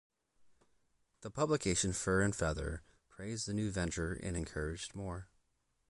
The publication "Fur and Feather" praised the new venture and encouraged more.